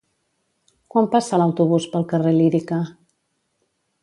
Quan passa l'autobús pel carrer Lírica?